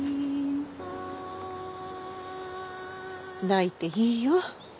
泣いていいよ。